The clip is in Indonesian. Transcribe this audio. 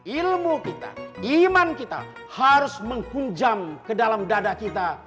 ilmu kita iman kita harus menghunjam ke dalam dada kita